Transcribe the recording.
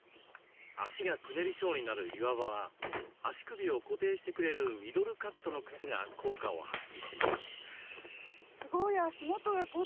足がくねりそうになる岩場は足首を固定してくれるミドルカットの靴が効果を発揮します。